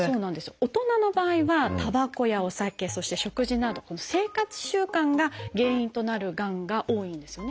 大人の場合はたばこやお酒そして食事など生活習慣が原因となるがんが多いんですよね。